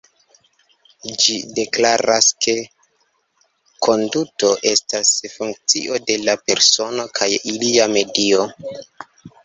Ĝi deklaras ke konduto estas funkcio de la persono kaj ilia medio.